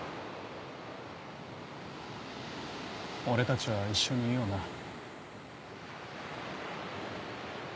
俺たちは一緒にいような。